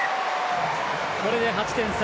これで８点差。